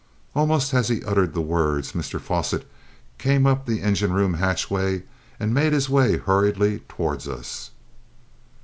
Almost as he uttered the words, Mr Fosset came up the engine room hatchway and made his way hurriedly towards us.